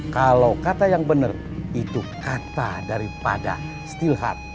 kalau kata yang bener itu kata daripada steelheart